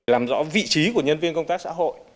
làm rõ vị trí của nhân viên công tác xã hội